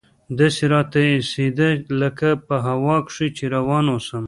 داسې راته اېسېده لکه په هوا کښې چې روان اوسم.